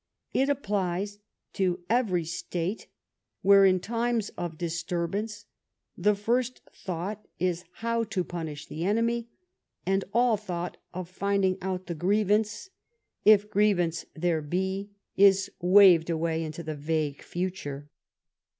It ap plies to every State where, in times of disturbance, the first thought is how to punish the enemy, and all thought of finding out the grievance, if griev ance there be, is waved away into the vague future.